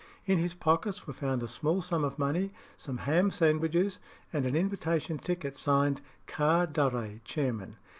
In his pockets were found a small sum of money, some ham sandwiches, and an invitation ticket signed "Car Durre, chairman."